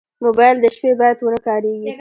موبایل د شپې باید ونه کارېږي.